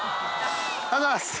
ありがとうございます。